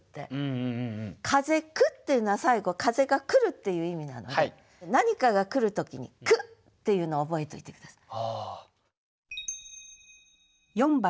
「風来」っていうのは最後風が来るっていう意味なので何かが来る時に「来」っていうのを覚えといて下さい。